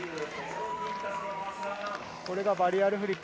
これがバリアルフリップ。